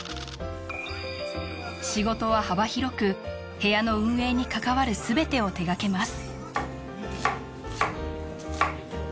仕事は幅広く部屋の運営に関わる全てを手がけます